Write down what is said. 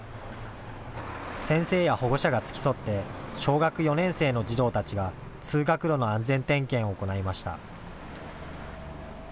先生や保護者が付き添って小学４年生の児童たちが通学路の安全点検を行いました。